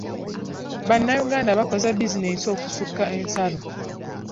Bannayuganda bakoze bizinensi okusukka ensalo.